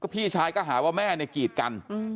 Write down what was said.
พี่ชายก็หาว่าแม่เนี่ยกีดกัน